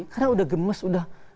karena udah gemes udah